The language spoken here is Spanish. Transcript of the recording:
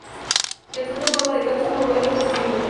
El fruto en forma de cápsula ovoide, comprimida.